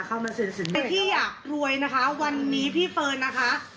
เข้ามาเซ็นสัญญาที่อยากรวยนะคะวันนี้พี่เฟิร์นนะคะ